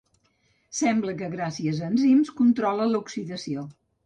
Sembla que gràcies a enzims controla l'oxidació.